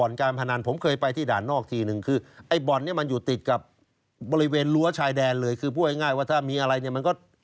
ทั้งไปนิดเดียว